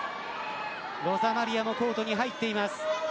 ロザマリアもコートに入っています。